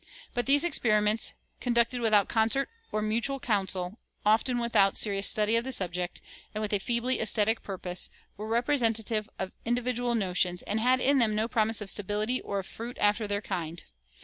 But these experiments, conducted without concert or mutual counsel, often without serious study of the subject, and with a feebly esthetic purpose, were representative of individual notions, and had in them no promise of stability or of fruit after their kind.